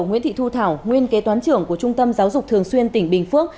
nguyễn thị thu thảo nguyên kế toán trưởng của trung tâm giáo dục thường xuyên tỉnh bình phước